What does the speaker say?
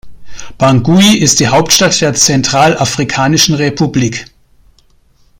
Bangui ist die Hauptstadt der Zentralafrikanischen Republik.